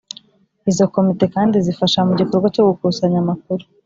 izo komite kandi zifasha mu gikorwa cyo gukusanya amakuru